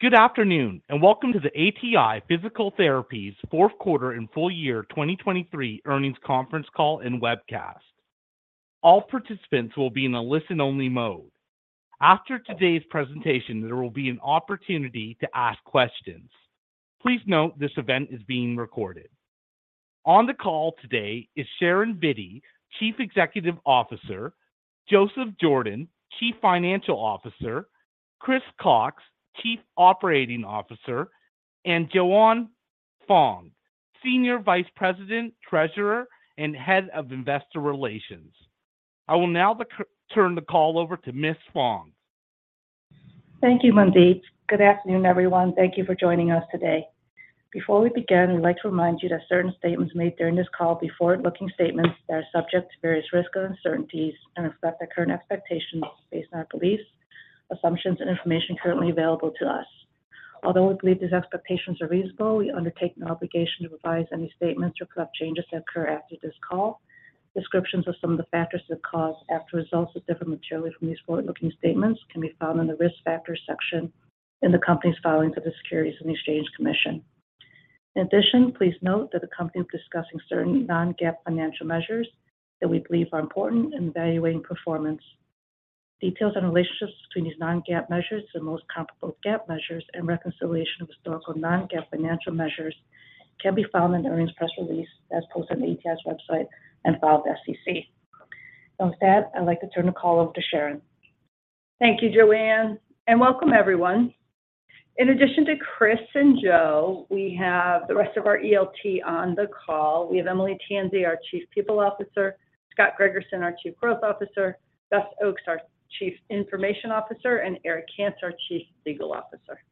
Good afternoon and welcome to the ATI Physical Therapy's fourth quarter and full year 2023 earnings conference call and webcast. All participants will be in a listen-only mode. After today's presentation there will be an opportunity to ask questions. Please note this event is being recorded. On the call today is Sharon Vitti, Chief Executive Officer, Joseph Jordan, Chief Financial Officer, Chris Cox, Chief Operating Officer, and Joanne Fong, Senior Vice President, Treasurer, and Head of Investor Relations. I will now turn the call over to Ms. Fong. Thank you, Mandeep. Good afternoon, everyone. Thank you for joining us today. Before we begin, we'd like to remind you that certain statements made during this call are forward-looking statements that are subject to various risks and uncertainties and reflect our current expectations based on our beliefs, assumptions, and information currently available to us. Although we believe these expectations are reasonable, we undertake no obligation to revise any statements or correct changes that occur after this call. Descriptions of some of the factors that could cause actual results that differ materially from these forward-looking statements can be found in the risk factors section in the company's filings with the Securities and Exchange Commission. In addition, please note that the company will be discussing certain non-GAAP financial measures that we believe are important in evaluating performance. Details on relationships between these non-GAAP measures and most comparable GAAP measures and reconciliation of historical non-GAAP financial measures can be found in the earnings press release that's posted on the ATI's website and filed with SEC. With that, I'd like to turn the call over to Sharon. Thank you, Joanne, and welcome, everyone. In addition to Chris and Joe, we have the rest of our ELT on the call. We have Emily Tansey, our Chief People Officer, Scott Gregerson, our Chief Growth Officer, Bess Oakes, our Chief Information Officer, and Erik Kantz, our Chief Legal Officer.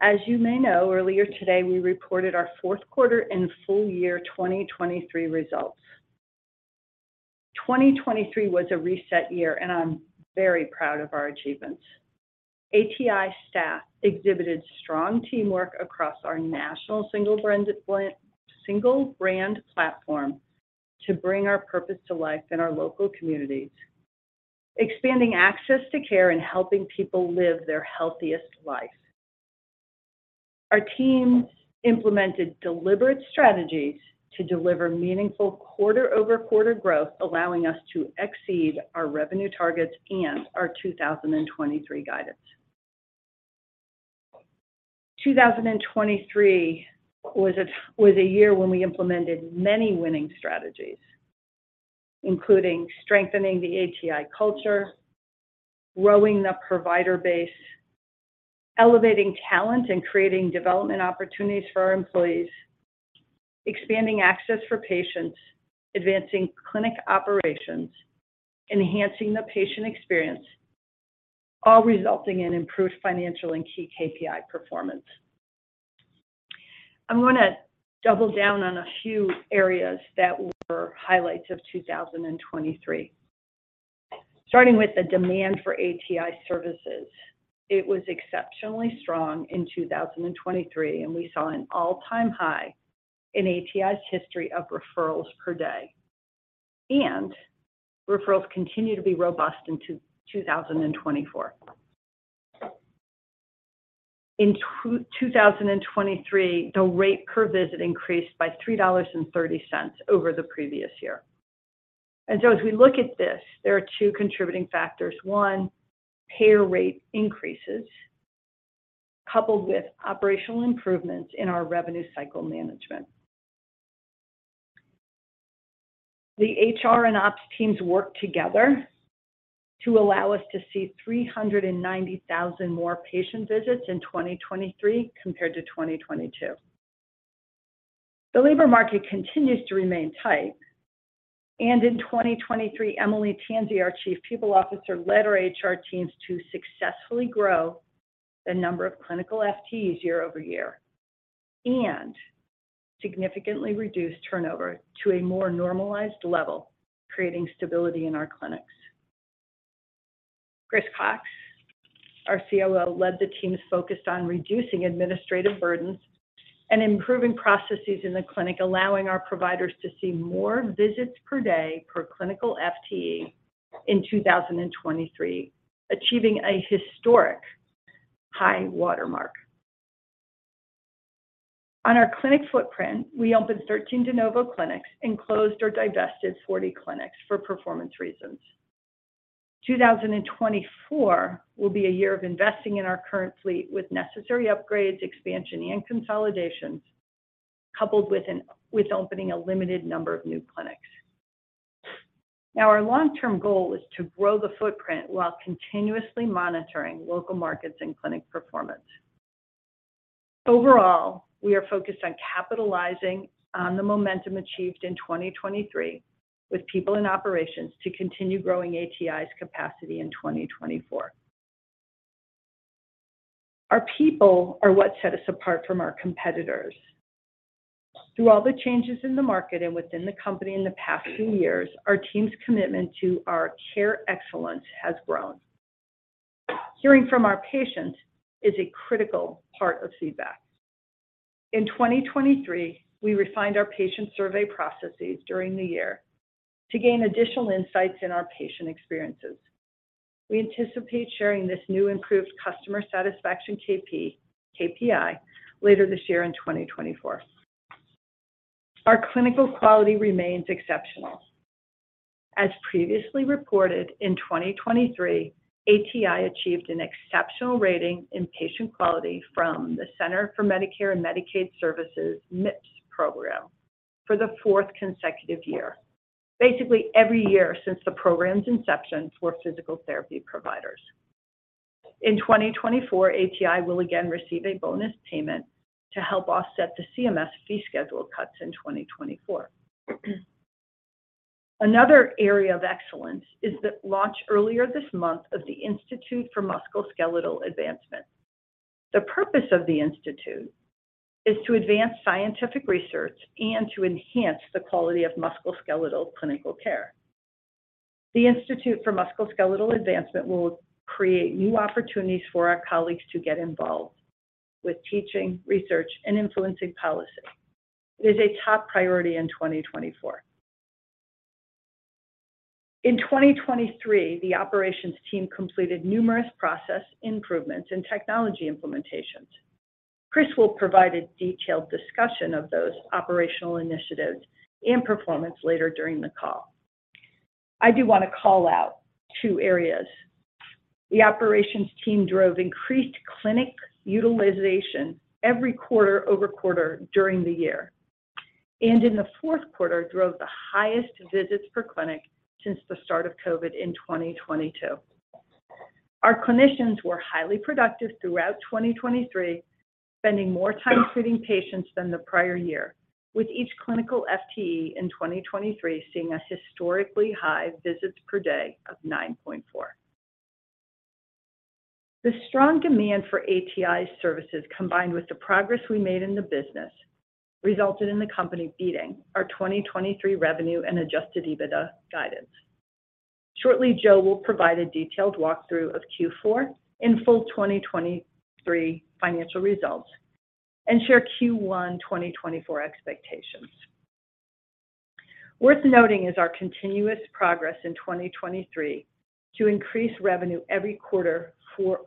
As you may know, earlier today we reported our fourth quarter and full year 2023 results. 2023 was a reset year, and I'm very proud of our achievements. ATI staff exhibited strong teamwork across our national single brand platform to bring our purpose to life in our local communities, expanding access to care and helping people live their healthiest life. Our teams implemented deliberate strategies to deliver meaningful quarter-over-quarter growth, allowing us to exceed our revenue targets and our 2023 guidance. 2023 was a year when we implemented many winning strategies, including strengthening the ATI culture, growing the provider base, elevating talent and creating development opportunities for our employees, expanding access for patients, advancing clinic operations, enhancing the patient experience, all resulting in improved financial and key KPI performance. I'm going to double down on a few areas that were highlights of 2023. Starting with the demand for ATI services, it was exceptionally strong in 2023, and we saw an all-time high in ATI's history of referrals per day. Referrals continue to be robust in 2024. In 2023, the rate per visit increased by $3.30 over the previous year. So as we look at this, there are two contributing factors. One, pay rate increases coupled with operational improvements in our revenue cycle management. The HR and ops teams worked together to allow us to see 390,000 more patient visits in 2023 compared to 2022. The labor market continues to remain tight. In 2023, Emily Tansey, our Chief People Officer, led our HR teams to successfully grow the number of clinical FTEs year-over-year and significantly reduce turnover to a more normalized level, creating stability in our clinics. Chris Cox, our COO, led the teams focused on reducing administrative burdens and improving processes in the clinic, allowing our providers to see more visits per day per clinical FTE in 2023, achieving a historic high watermark. On our clinic footprint, we opened 13 de novo clinics and closed or divested 40 clinics for performance reasons. 2024 will be a year of investing in our current fleet with necessary upgrades, expansion, and consolidations, coupled with opening a limited number of new clinics. Now, our long-term goal is to grow the footprint while continuously monitoring local markets and clinic performance. Overall, we are focused on capitalizing on the momentum achieved in 2023 with people in operations to continue growing ATI's capacity in 2024. Our people are what set us apart from our competitors. Through all the changes in the market and within the company in the past few years, our team's commitment to our care excellence has grown. Hearing from our patients is a critical part of feedback. In 2023, we refined our patient survey processes during the year to gain additional insights in our patient experiences. We anticipate sharing this new improved customer satisfaction KPI later this year in 2024. Our clinical quality remains exceptional. As previously reported, in 2023, ATI achieved an exceptional rating in patient quality from the Centers for Medicare & Medicaid Services (MIPS) program for the fourth consecutive year, basically every year since the program's inception for physical therapy providers. In 2024, ATI will again receive a bonus payment to help offset the CMS fee schedule cuts in 2024. Another area of excellence is the launch earlier this month of the Institute for Musculoskeletal Advancement. The purpose of the institute is to advance scientific research and to enhance the quality of musculoskeletal clinical care. The Institute for Musculoskeletal Advancement will create new opportunities for our colleagues to get involved with teaching, research, and influencing policy. It is a top priority in 2024. In 2023, the operations team completed numerous process improvements and technology implementations. Chris will provide a detailed discussion of those operational initiatives and performance later during the call. I do want to call out two areas. The operations team drove increased clinic utilization every quarter-over-quarter during the year, and in the fourth quarter, drove the highest visits per clinic since the start of COVID in 2022. Our clinicians were highly productive throughout 2023, spending more time treating patients than the prior year, with each clinical FTE in 2023 seeing a historically high visits per day of 9.4. The strong demand for ATI services, combined with the progress we made in the business, resulted in the company beating our 2023 revenue and Adjusted EBITDA guidance. Shortly, Joe will provide a detailed walkthrough of Q4 and full 2023 financial results and share Q1 2024 expectations. Worth noting is our continuous progress in 2023 to increase revenue every quarter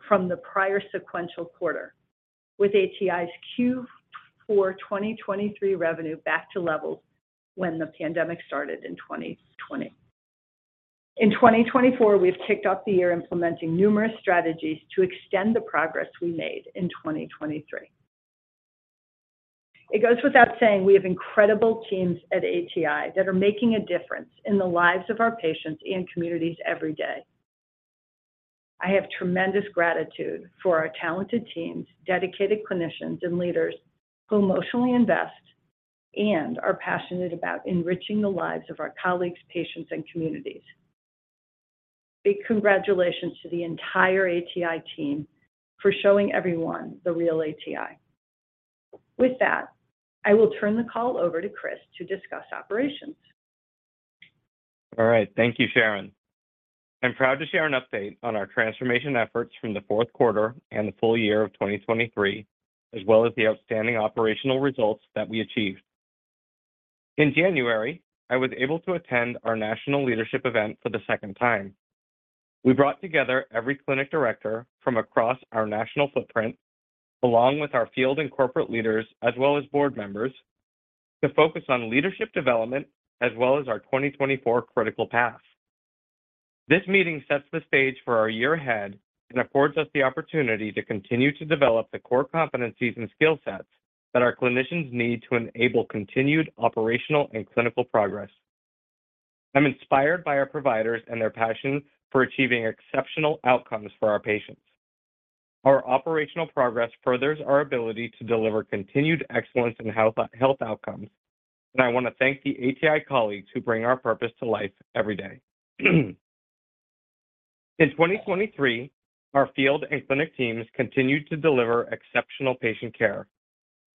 from the prior sequential quarter, with ATI's Q4 2023 revenue back to levels when the pandemic started in 2020. In 2024, we've kicked off the year implementing numerous strategies to extend the progress we made in 2023. It goes without saying we have incredible teams at ATI that are making a difference in the lives of our patients and communities every day. I have tremendous gratitude for our talented teams, dedicated clinicians, and leaders who emotionally invest and are passionate about enriching the lives of our colleagues, patients, and communities. Big congratulations to the entire ATI team for showing everyone the real ATI. With that, I will turn the call over to Chris to discuss operations. All right. Thank you, Sharon. I'm proud to share an update on our transformation efforts from the fourth quarter and the full year of 2023, as well as the outstanding operational results that we achieved. In January, I was able to attend our national leadership event for the second time. We brought together every clinic director from across our national footprint, along with our field and corporate leaders, as well as board members, to focus on leadership development as well as our 2024 critical path. This meeting sets the stage for our year ahead and affords us the opportunity to continue to develop the core competencies and skill sets that our clinicians need to enable continued operational and clinical progress. I'm inspired by our providers and their passion for achieving exceptional outcomes for our patients. Our operational progress furthers our ability to deliver continued excellence in health outcomes, and I want to thank the ATI colleagues who bring our purpose to life every day. In 2023, our field and clinic teams continued to deliver exceptional patient care,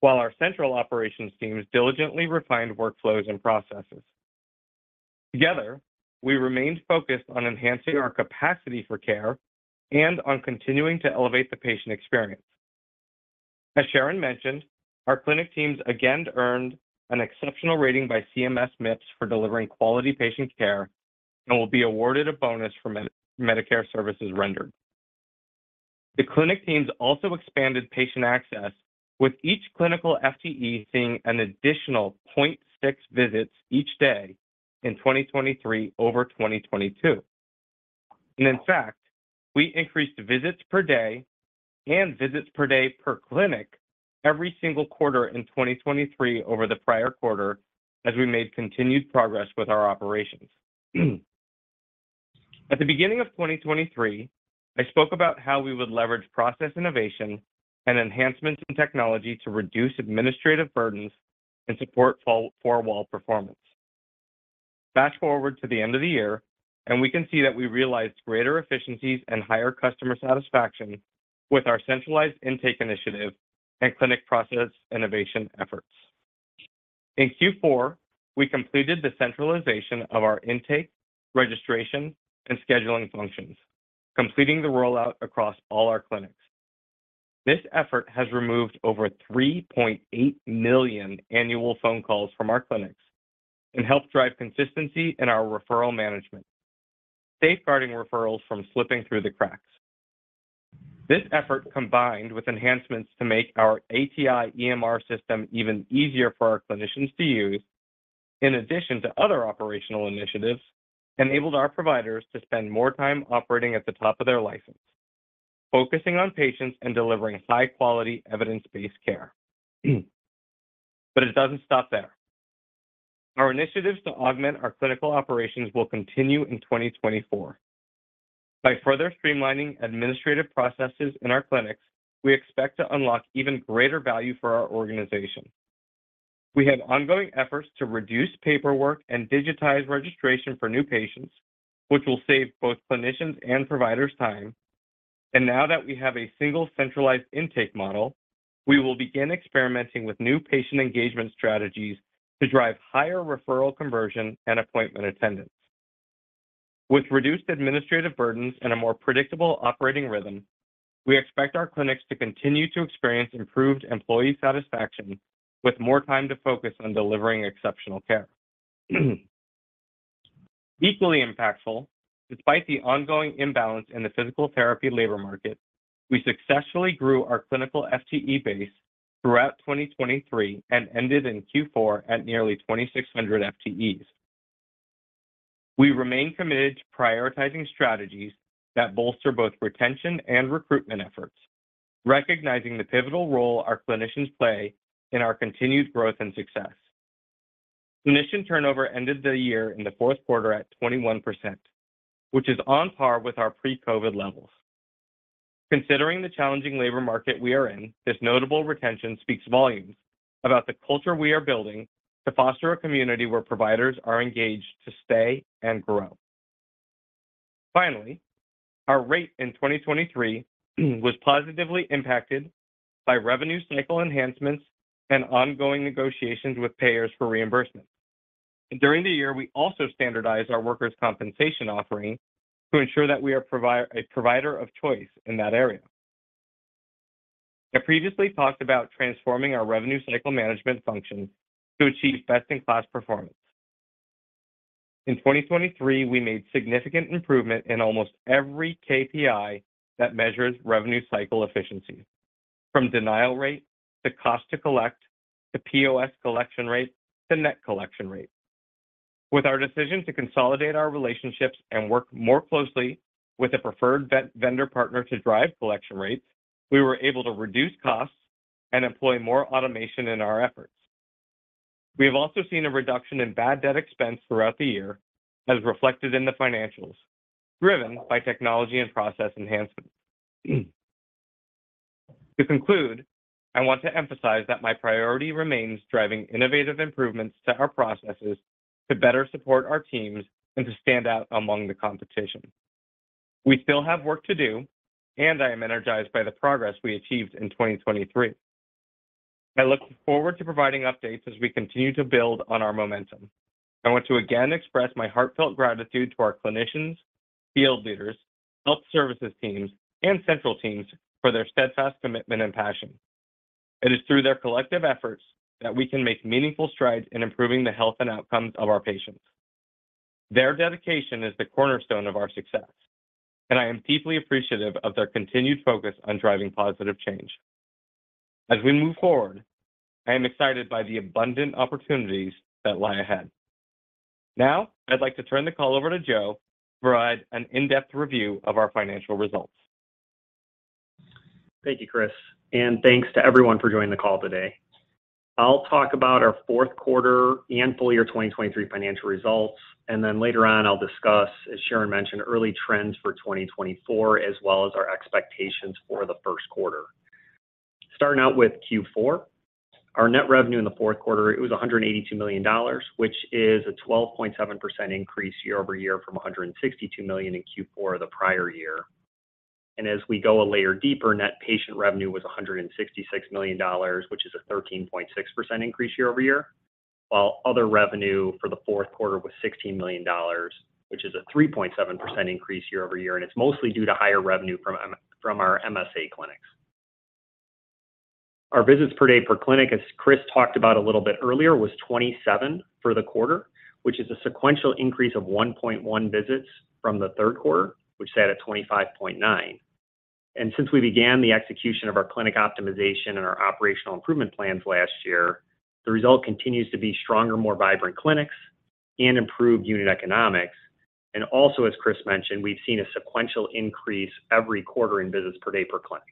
while our central operations teams diligently refined workflows and processes. Together, we remained focused on enhancing our capacity for care and on continuing to elevate the patient experience. As Sharon mentioned, our clinic teams again earned an exceptional rating by CMS MIPS for delivering quality patient care and will be awarded a bonus for Medicare services rendered. The clinic teams also expanded patient access, with each Clinical FTE seeing an additional 0.6 visits each day in 2023 over 2022. In fact, we increased visits per day and visits per day per clinic every single quarter in 2023 over the prior quarter as we made continued progress with our operations. At the beginning of 2023, I spoke about how we would leverage process innovation and enhancements in technology to reduce administrative burdens and support four-wall performance. Fast forward to the end of the year, and we can see that we realized greater efficiencies and higher customer satisfaction with our centralized intake initiative and clinic process innovation efforts. In Q4, we completed the centralization of our intake, registration, and scheduling functions, completing the rollout across all our clinics. This effort has removed over 3.8 million annual phone calls from our clinics and helped drive consistency in our referral management, safeguarding referrals from slipping through the cracks. This effort, combined with enhancements to make our ATI EMR system even easier for our clinicians to use, in addition to other operational initiatives, enabled our providers to spend more time operating at the top of their license, focusing on patients and delivering high-quality, evidence-based care. But it doesn't stop there. Our initiatives to augment our clinical operations will continue in 2024. By further streamlining administrative processes in our clinics, we expect to unlock even greater value for our organization. We have ongoing efforts to reduce paperwork and digitize registration for new patients, which will save both clinicians and providers time. And now that we have a single centralized intake model, we will begin experimenting with new patient engagement strategies to drive higher referral conversion and appointment attendance. With reduced administrative burdens and a more predictable operating rhythm, we expect our clinics to continue to experience improved employee satisfaction with more time to focus on delivering exceptional care. Equally impactful, despite the ongoing imbalance in the physical therapy labor market, we successfully grew our clinical FTE base throughout 2023 and ended in Q4 at nearly 2,600 FTEs. We remain committed to prioritizing strategies that bolster both retention and recruitment efforts, recognizing the pivotal role our clinicians play in our continued growth and success. Clinician turnover ended the year in the fourth quarter at 21%, which is on par with our pre-COVID levels. Considering the challenging labor market we are in, this notable retention speaks volumes about the culture we are building to foster a community where providers are engaged to stay and grow. Finally, our rate in 2023 was positively impacted by revenue cycle enhancements and ongoing negotiations with payers for reimbursement. During the year, we also standardized our workers' compensation offering to ensure that we are a provider of choice in that area. I previously talked about transforming our revenue cycle management functions to achieve best-in-class performance. In 2023, we made significant improvement in almost every KPI that measures revenue cycle efficiency, from denial rate to cost to collect to POS collection rate to net collection rate. With our decision to consolidate our relationships and work more closely with a preferred vendor partner to drive collection rates, we were able to reduce costs and employ more automation in our efforts. We have also seen a reduction in bad debt expense throughout the year, as reflected in the financials, driven by technology and process enhancements. To conclude, I want to emphasize that my priority remains driving innovative improvements to our processes to better support our teams and to stand out among the competition. We still have work to do, and I am energized by the progress we achieved in 2023. I look forward to providing updates as we continue to build on our momentum. I want to again express my heartfelt gratitude to our clinicians, field leaders, health services teams, and central teams for their steadfast commitment and passion. It is through their collective efforts that we can make meaningful strides in improving the health and outcomes of our patients. Their dedication is the cornerstone of our success, and I am deeply appreciative of their continued focus on driving positive change. As we move forward, I am excited by the abundant opportunities that lie ahead. Now, I'd like to turn the call over to Joe to provide an in-depth review of our financial results. Thank you, Chris, and thanks to everyone for joining the call today. I'll talk about our fourth quarter and full year 2023 financial results, and then later on, I'll discuss, as Sharon mentioned, early trends for 2024 as well as our expectations for the first quarter. Starting out with Q4, our net revenue in the fourth quarter, it was $182 million, which is a 12.7% increase year over year from $162 million in Q4 the prior year. As we go a layer deeper, net patient revenue was $166 million, which is a 13.6% increase year over year, while other revenue for the fourth quarter was $16 million, which is a 3.7% increase year over year, and it's mostly due to higher revenue from our MSA clinics. Our visits per day per clinic, as Chris talked about a little bit earlier, was 27 for the quarter, which is a sequential increase of 1.1 visits from the third quarter, which sat at 25.9. Since we began the execution of our clinic optimization and our operational improvement plans last year, the result continues to be stronger, more vibrant clinics and improved unit economics. Also, as Chris mentioned, we've seen a sequential increase every quarter in visits per day per clinic.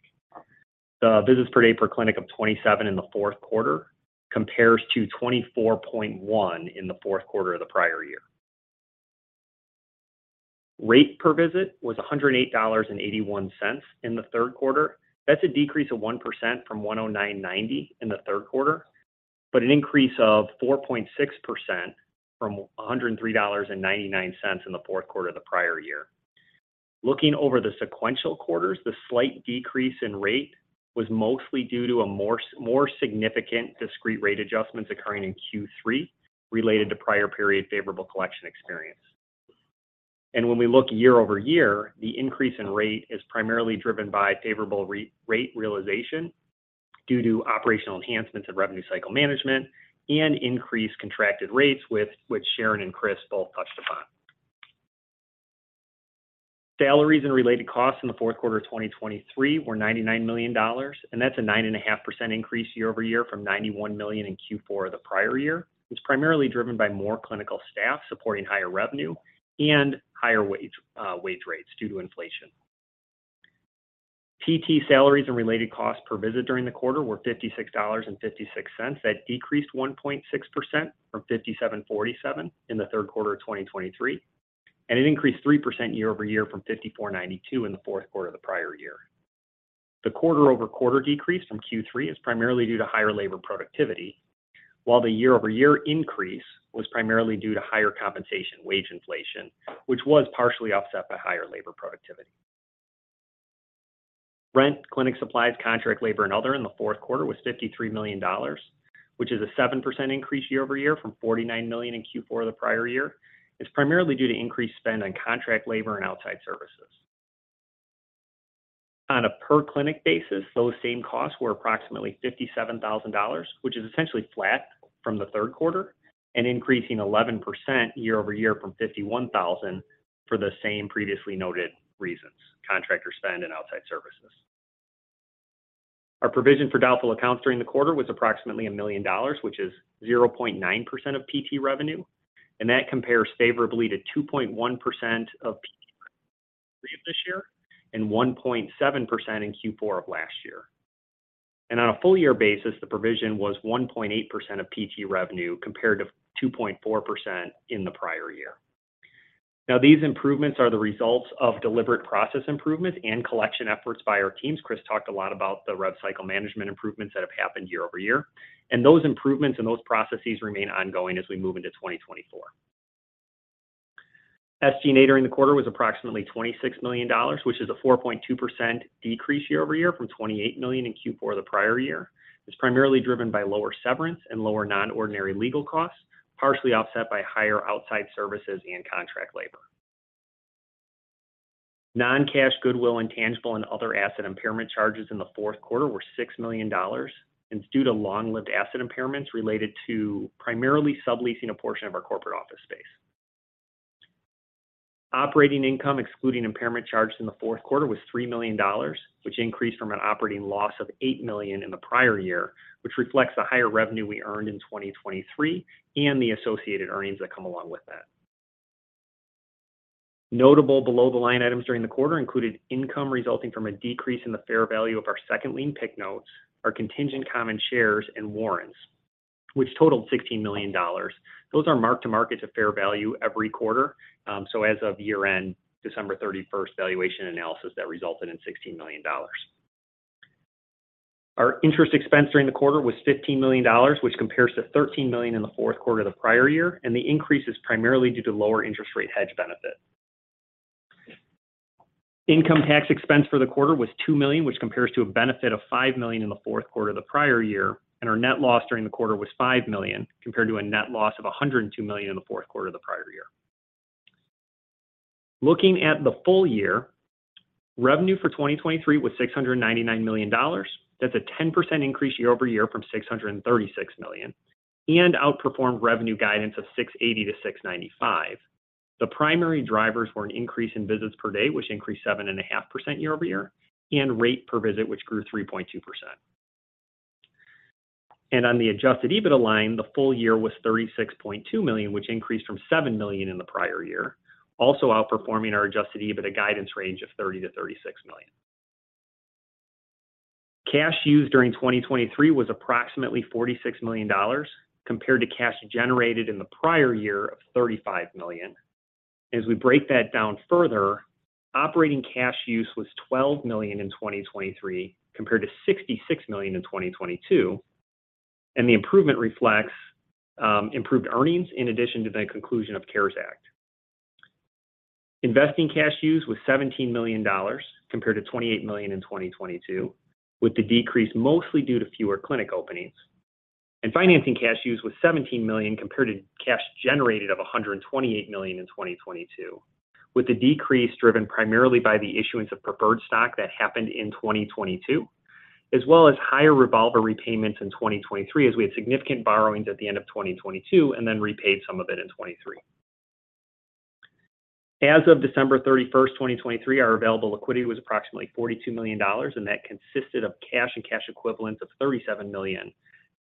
The visits per day per clinic of 27 in the fourth quarter compares to 24.1 in the fourth quarter of the prior year. Rate per visit was $108.81 in the third quarter. That's a decrease of 1% from $109.90 in the third quarter, but an increase of 4.6% from $103.99 in the fourth quarter of the prior year. Looking over the sequential quarters, the slight decrease in rate was mostly due to more significant discrete rate adjustments occurring in Q3 related to prior period favorable collection experience. When we look year-over-year, the increase in rate is primarily driven by favorable rate realization due to operational enhancements in revenue cycle management and increased contracted rates, which Sharon and Chris both touched upon. Salaries and related costs in the fourth quarter of 2023 were $99 million, and that's a 9.5% increase year-over-year from $91 million in Q4 of the prior year. It's primarily driven by more clinical staff supporting higher revenue and higher wage rates due to inflation. PT salaries and related costs per visit during the quarter were $56.56. That decreased 1.6% from $57.47 in the third quarter of 2023, and it increased 3% year-over-year from $54.92 in the fourth quarter of the prior year. The quarter-over-quarter decrease from Q3 is primarily due to higher labor productivity, while the year-over-year increase was primarily due to higher compensation wage inflation, which was partially offset by higher labor productivity. Rent, clinic supplies, contract labor, and other in the fourth quarter was $53 million, which is a 7% increase year-over-year from $49 million in Q4 of the prior year. It's primarily due to increased spend on contract labor and outside services. On a per-clinic basis, those same costs were approximately $57,000, which is essentially flat from the third quarter and increasing 11% year-over-year from $51,000 for the same previously noted reasons, contractor spend and outside services. Our provision for doubtful accounts during the quarter was approximately $1 million, which is 0.9% of PT revenue, and that compares favorably to 2.1% of PT revenue in Q3 of this year and 1.7% in Q4 of last year. On a full year basis, the provision was 1.8% of PT revenue compared to 2.4% in the prior year. Now, these improvements are the results of deliberate process improvements and collection efforts by our teams. Chris talked a lot about the rev cycle management improvements that have happened year-over-year, and those improvements and those processes remain ongoing as we move into 2024. SG&A in the quarter was approximately $26 million, which is a 4.2% decrease year-over-year from $28 million in Q4 of the prior year. It's primarily driven by lower severance and lower non-ordinary legal costs, partially offset by higher outside services and contract labor. Non-cash, goodwill, intangible, and other asset impairment charges in the fourth quarter were $6 million, and it's due to long-lived asset impairments related to primarily subleasing a portion of our corporate office space. Operating income excluding impairment charges in the fourth quarter was $3 million, which increased from an operating loss of $8 million in the prior year, which reflects the higher revenue we earned in 2023 and the associated earnings that come along with that. Notable below-the-line items during the quarter included income resulting from a decrease in the fair value of our second lien PIK notes, our contingent common shares, and warrants, which totaled $16 million. Those are marked to market to fair value every quarter. So as of year-end, December 31st valuation analysis that resulted in $16 million. Our interest expense during the quarter was $15 million, which compares to $13 million in the fourth quarter of the prior year, and the increase is primarily due to lower interest rate hedge benefit. Income tax expense for the quarter was $2 million, which compares to a benefit of $5 million in the fourth quarter of the prior year, and our net loss during the quarter was $5 million compared to a net loss of $102 million in the fourth quarter of the prior year. Looking at the full year, revenue for 2023 was $699 million. That's a 10% increase year over year from $636 million, and outperformed revenue guidance of $680 million-$695 million. The primary drivers were an increase in visits per day, which increased 7.5% year over year, and rate per visit, which grew 3.2%. On the Adjusted EBITDA line, the full year was $36.2 million, which increased from $7 million in the prior year, also outperforming our Adjusted EBITDA guidance range of $30 million-$36 million. Cash used during 2023 was approximately $46 million compared to cash generated in the prior year of $35 million. As we break that down further, operating cash use was $12 million in 2023 compared to $66 million in 2022, and the improvement reflects improved earnings in addition to the conclusion of CARES Act. Investing cash use was $17 million compared to $28 million in 2022, with the decrease mostly due to fewer clinic openings. Financing cash use was $17 million compared to cash generated of $128 million in 2022, with the decrease driven primarily by the issuance of preferred stock that happened in 2022, as well as higher revolver repayments in 2023 as we had significant borrowings at the end of 2022 and then repaid some of it in 2023. As of December 31st, 2023, our available liquidity was approximately $42 million, and that consisted of cash and cash equivalents of $37 million,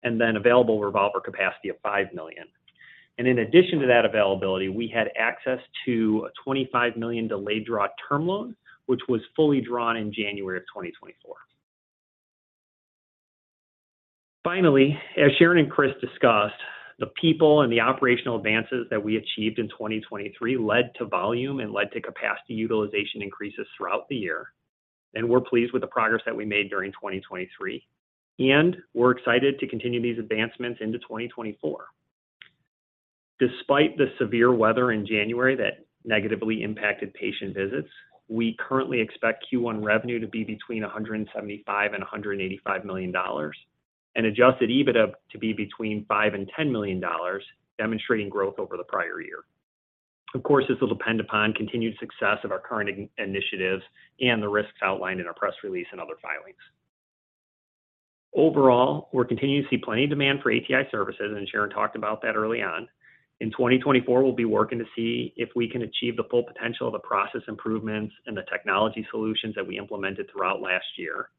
and then available revolver capacity of $5 million. In addition to that availability, we had access to a $25 million delayed draw term loan, which was fully drawn in January of 2024. Finally, as Sharon and Chris discussed, the people and the operational advances that we achieved in 2023 led to volume and led to capacity utilization increases throughout the year, and we're pleased with the progress that we made during 2023, and we're excited to continue these advancements into 2024. Despite the severe weather in January that negatively impacted patient visits, we currently expect Q1 revenue to be between $175 million-$185 million, and Adjusted EBITDA to be between $5 million-$10 million, demonstrating growth over the prior year. Of course, this will depend upon continued success of our current initiatives and the risks outlined in our press release and other filings. Overall, we're continuing to see plenty of demand for ATI services, and Sharon talked about that early on. In 2024, we'll be working to see if we can achieve the full potential of the process improvements and the technology solutions that we implemented throughout last year.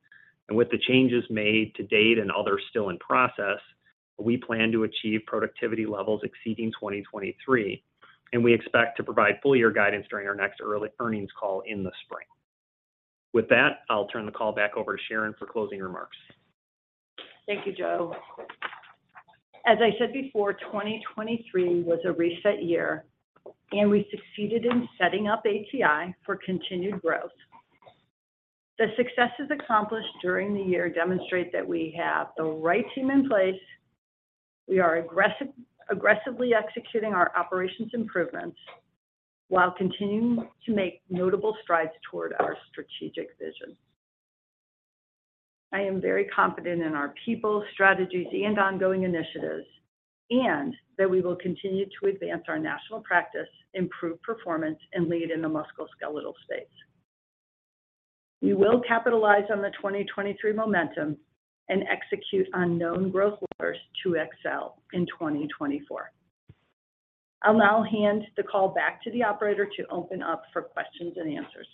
With the changes made to date and others still in process, we plan to achieve productivity levels exceeding 2023, and we expect to provide full year guidance during our next early earnings call in the spring. With that, I'll turn the call back over to Sharon for closing remarks. Thank you, Joe. As I said before, 2023 was a reset year, and we succeeded in setting up ATI for continued growth. The successes accomplished during the year demonstrate that we have the right team in place. We are aggressively executing our operations improvements while continuing to make notable strides toward our strategic vision. I am very confident in our people, strategies, and ongoing initiatives, and that we will continue to advance our national practice, improve performance, and lead in the musculoskeletal space. We will capitalize on the 2023 momentum and execute on known growth levers to excel in 2024. I'll now hand the call back to the operator to open up for questions and answers.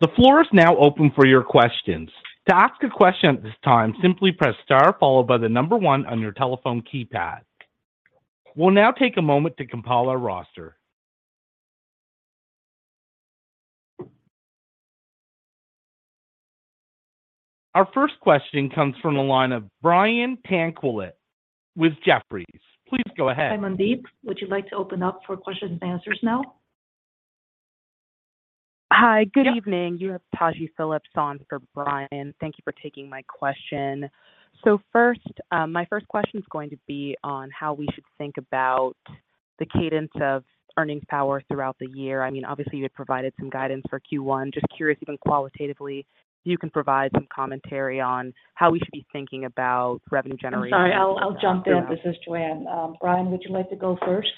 The floor is now open for your questions. To ask a question at this time, simply press star followed by the number one on your telephone keypad. We'll now take a moment to compile our roster. Our first question comes from the line of Brian Tanquilut with Jefferies. Please go ahead. Hi, Mandeep. Would you like to open up for questions and answers now? Hi, good evening. You have Taji Phillips on for Brian. Thank you for taking my question. So first, my first question is going to be on how we should think about the cadence of earnings power throughout the year. I mean, obviously, you had provided some guidance for Q1. Just curious, even qualitatively, if you can provide some commentary on how we should be thinking about revenue generation. I'm sorry. I'll jump in. This is Joanne. Brian, would you like to go first?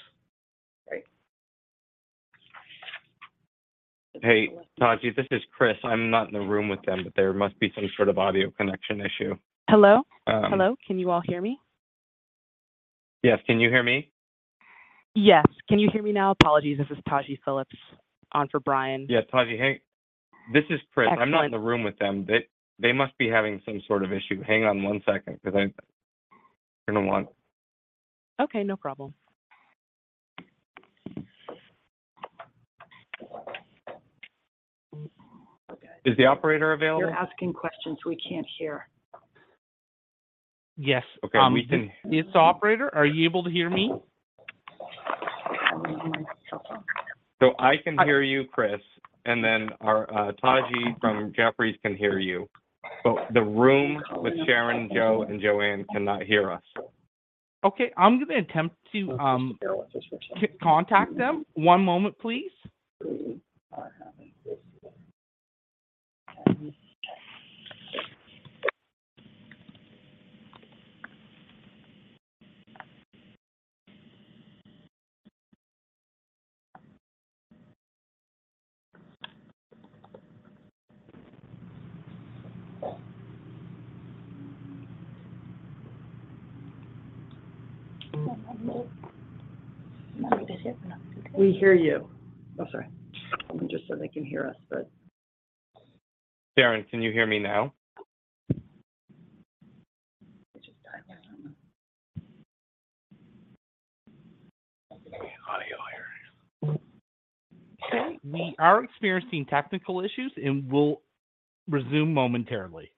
Hey, Taji. This is Chris. I'm not in the room with them, but there must be some sort of audio connection issue. Hello? Hello? Can you all hear me? Yes. Can you hear me? Yes. Can you hear me now? Apologies. This is Taji Phillips on for Brian. Yeah, Taji. Hey, this is Chris. I'm not in the room with them. They must be having some sort of issue. Hang on one second because I'm going to want. Okay. No problem. Is the operator available? You're asking questions. We can't hear. Yes. Okay. It's the operator. Are you able to hear me? So I can hear you, Chris, and then Taji from Jefferies can hear you. But the room with Sharon, Joe, and Joanne cannot hear us. Okay. I'm going to attempt to contact them. One moment, please. We hear you. Oh, sorry. I'm just so they can hear us, but. Sharon, can you hear me now? Okay. Audio here. Okay. We are experiencing technical issues, and we'll resume momentarily.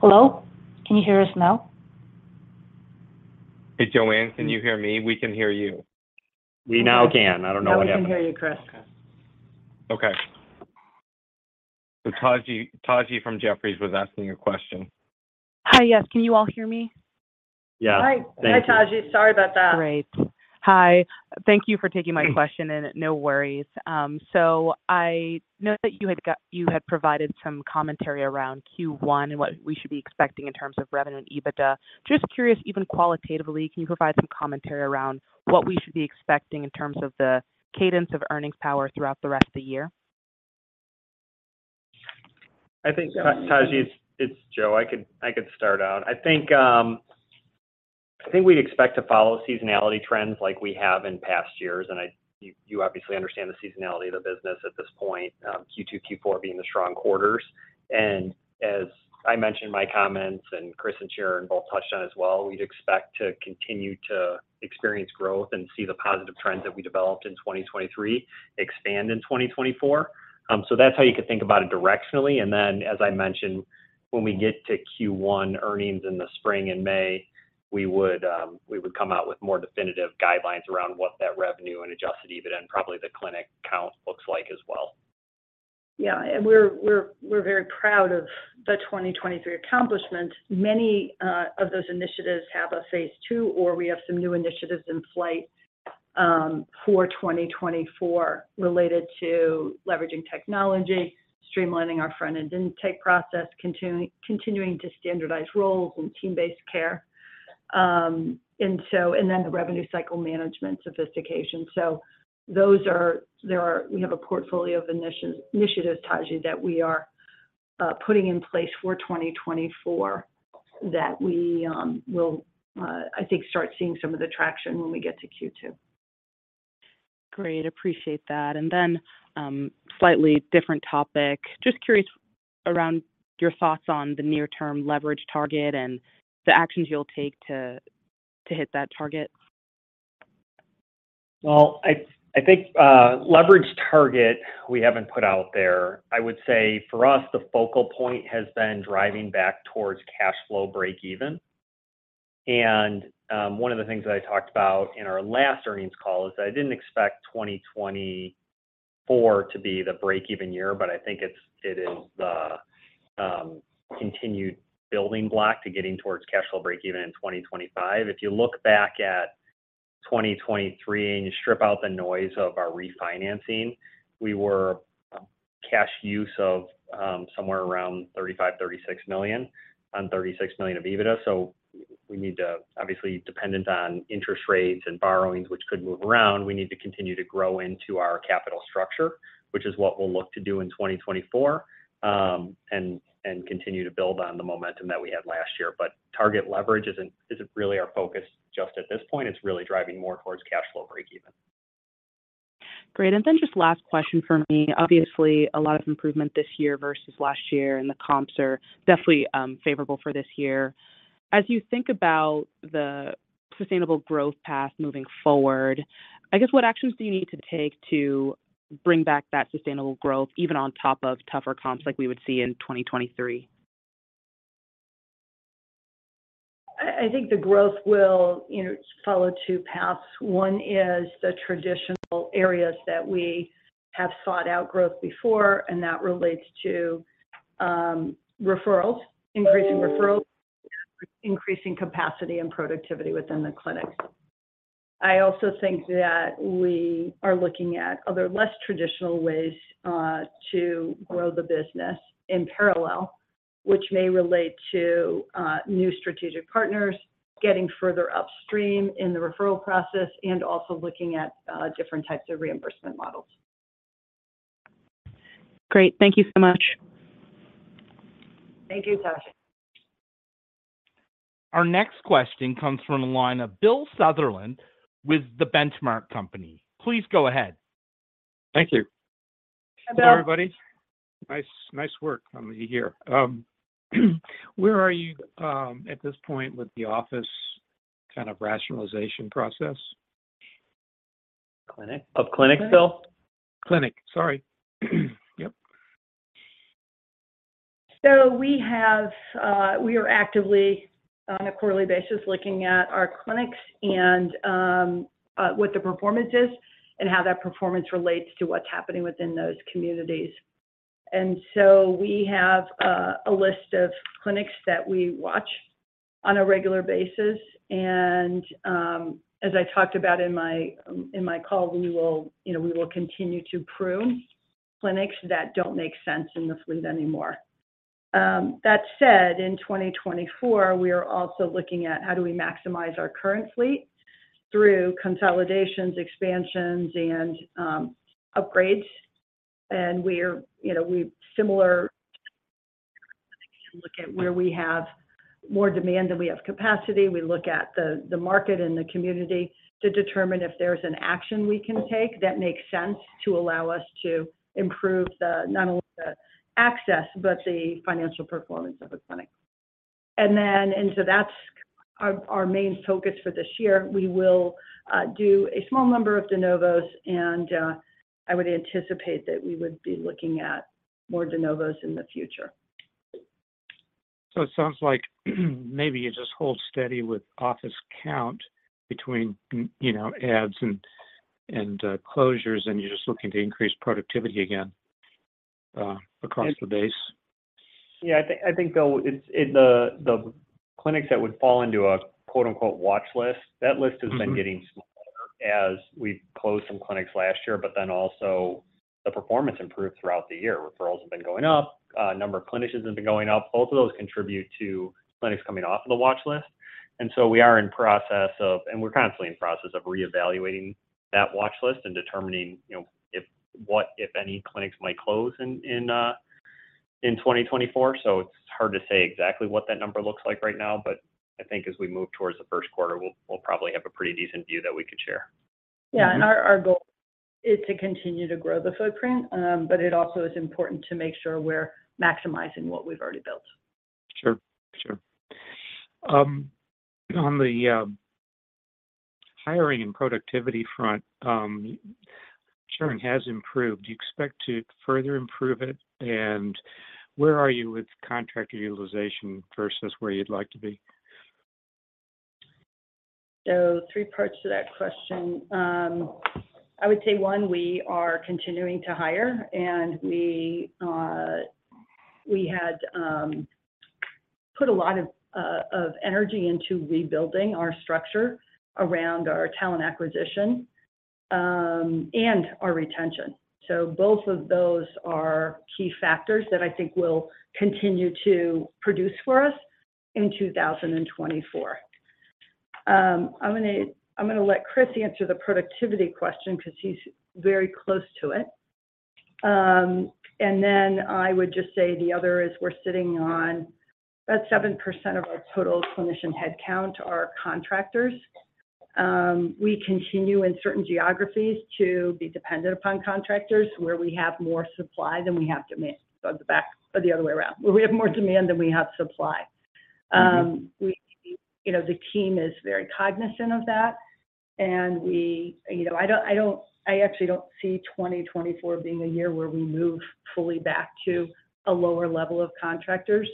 Hello? Can you hear us now? Hey, Joanne, can you hear me? We can hear you. We now can. I don't know what happened. Now we can hear you, Chris. Okay. So Taji from Jefferies was asking a question. Hi, yes. Can you all hear me? Yes. Hi. Hi, Taji. Sorry about that. Great. Hi. Thank you for taking my question, and no worries. So I know that you had provided some commentary around Q1 and what we should be expecting in terms of revenue and EBITDA. Just curious, even qualitatively, can you provide some commentary around what we should be expecting in terms of the cadence of earnings power throughout the rest of the year? I think, Taji, it's Joe. I could start out. I think we'd expect to follow seasonality trends like we have in past years, and you obviously understand the seasonality of the business at this point, Q2, Q4 being the strong quarters. And as I mentioned in my comments and Chris and Sharon both touched on as well, we'd expect to continue to experience growth and see the positive trends that we developed in 2023 expand in 2024. So that's how you could think about it directionally. And then, as I mentioned, when we get to Q1 earnings in the spring and May, we would come out with more definitive guidelines around what that revenue and Adjusted EBITDA and probably the clinic count looks like as well. Yeah. We're very proud of the 2023 accomplishments. Many of those initiatives have a phase two, or we have some new initiatives in flight for 2024 related to leveraging technology, streamlining our front-end intake process, continuing to standardize roles and team-based care, and then the revenue cycle management sophistication. We have a portfolio of initiatives, Taji, that we are putting in place for 2024 that we will, I think, start seeing some of the traction when we get to Q2. Great. Appreciate that. And then slightly different topic. Just curious around your thoughts on the near-term leverage target and the actions you'll take to hit that target. Well, I think leverage target, we haven't put out there. I would say for us, the focal point has been driving back towards cash flow break-even. And one of the things that I talked about in our last earnings call is that I didn't expect 2024 to be the break-even year, but I think it is the continued building block to getting towards cash flow break-even in 2025. If you look back at 2023 and you strip out the noise of our refinancing, we were cash use of somewhere around $35-$36 million on $36 million of EBITDA. So we need to obviously, dependent on interest rates and borrowings, which could move around, we need to continue to grow into our capital structure, which is what we'll look to do in 2024, and continue to build on the momentum that we had last year. Target leverage isn't really our focus just at this point. It's really driving more towards cash flow break-even. Great. Just last question for me. Obviously, a lot of improvement this year versus last year, and the comps are definitely favorable for this year. As you think about the sustainable growth path moving forward, I guess what actions do you need to take to bring back that sustainable growth, even on top of tougher comps like we would see in 2023? I think the growth will follow two paths. One is the traditional areas that we have sought out growth before, and that relates to increasing referrals and increasing capacity and productivity within the clinics. I also think that we are looking at other less traditional ways to grow the business in parallel, which may relate to new strategic partners, getting further upstream in the referral process, and also looking at different types of reimbursement models. Great. Thank you so much. Thank you, Taji. Our next question comes from the line of Bill Sutherland with The Benchmark Company. Please go ahead. Thank you. Hi, Bill. Hi, everybody. Nice work. I'm here. Where are you at this point with the office kind of rationalization process? Of clinics, Bill? Clinic. Sorry. Yep. So we are actively, on a quarterly basis, looking at our clinics and what the performance is and how that performance relates to what's happening within those communities. And so we have a list of clinics that we watch on a regular basis. And as I talked about in my call, we will continue to prune clinics that don't make sense in the fleet anymore. That said, in 2024, we are also looking at how do we maximize our current fleet through consolidations, expansions, and upgrades. And we look at where we have more demand than we have capacity. We look at the market and the community to determine if there's an action we can take that makes sense to allow us to improve not only the access but the financial performance of a clinic. And so that's our main focus for this year. We will do a small number of de novos, and I would anticipate that we would be looking at more de novos in the future. So it sounds like maybe you just hold steady with office count between adds and closures, and you're just looking to increase productivity again across the base. Yeah. I think, Bill, in the clinics that would fall into a "watch list," that list has been getting smaller as we've closed some clinics last year, but then also the performance improved throughout the year. Referrals have been going up. Number of clinicians have been going up. Both of those contribute to clinics coming off of the watch list. And so we are in process of and we're constantly in process of reevaluating that watch list and determining what, if any, clinics might close in 2024. So it's hard to say exactly what that number looks like right now, but I think as we move towards the first quarter, we'll probably have a pretty decent view that we could share. Yeah. And our goal is to continue to grow the footprint, but it also is important to make sure we're maximizing what we've already built. Sure. Sure. On the hiring and productivity front, Sharon has improved. Do you expect to further improve it? And where are you with contractor utilization versus where you'd like to be? Three parts to that question. I would say, one, we are continuing to hire, and we had put a lot of energy into rebuilding our structure around our talent acquisition and our retention. Both of those are key factors that I think will continue to produce for us in 2024. I'm going to let Chris answer the productivity question because he's very close to it. Then I would just say the other is we're sitting on about 7% of our total clinician headcount are contractors. We continue in certain geographies to be dependent upon contractors where we have more supply than we have demand or the other way around, where we have more demand than we have supply. The team is very cognizant of that, and I actually don't see 2024 being a year where we move fully back to a lower level of contractors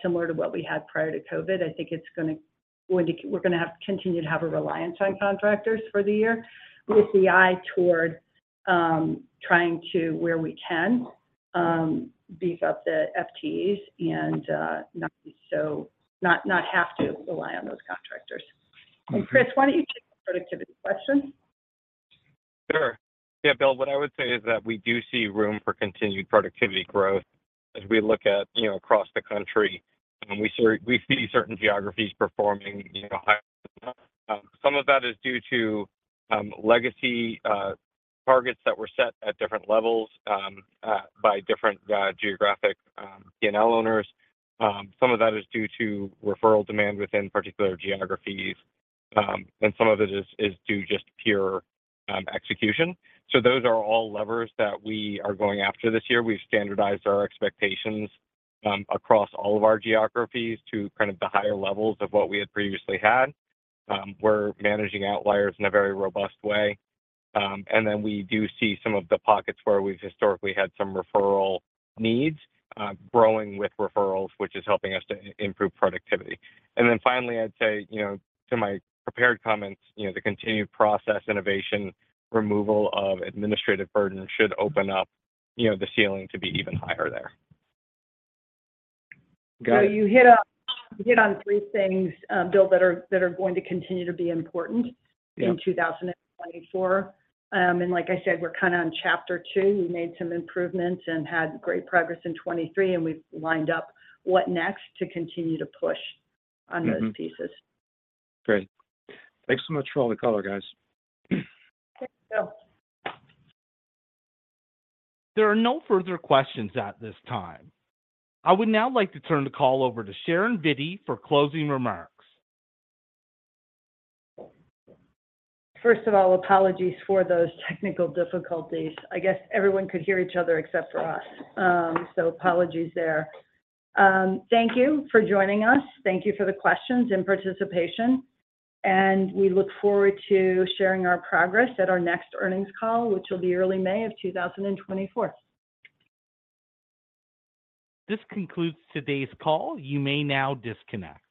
similar to what we had prior to COVID. I think we're going to continue to have a reliance on contractors for the year with the eye toward trying to, where we can, beef up the FTEs and not have to rely on those contractors. And Chris, why don't you take the productivity question? Sure. Yeah, Bill, what I would say is that we do see room for continued productivity growth as we look at across the country. We see certain geographies performing high enough. Some of that is due to legacy targets that were set at different levels by different geographic P&L owners. Some of that is due to referral demand within particular geographies, and some of it is due just pure execution. So those are all levers that we are going after this year. We've standardized our expectations across all of our geographies to kind of the higher levels of what we had previously had. We're managing outliers in a very robust way. And then we do see some of the pockets where we've historically had some referral needs growing with referrals, which is helping us to improve productivity. And then finally, I'd say, to my prepared comments, the continued process innovation, removal of administrative burden should open up the ceiling to be even higher there. Got it. So you hit on three things, Bill, that are going to continue to be important in 2024. Like I said, we're kind of on chapter two. We made some improvements and had great progress in 2023, and we've lined up what next to continue to push on those pieces. Great. Thanks so much for all the color, guys. Thanks, Bill. There are no further questions at this time. I would now like to turn the call over to Sharon Vitti for closing remarks. First of all, apologies for those technical difficulties. I guess everyone could hear each other except for us, so apologies there. Thank you for joining us. Thank you for the questions and participation. We look forward to sharing our progress at our next earnings call, which will be early May of 2024. This concludes today's call. You may now disconnect.